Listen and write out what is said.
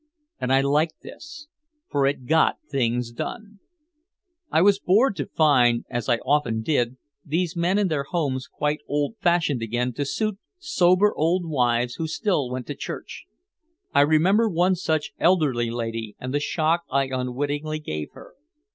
And I liked this, for it got things done! I was bored to find, as I often did, these men in their homes quite old fashioned again to suit sober old wives who still went to church. I remember one such elderly lady and the shock I unwittingly gave her.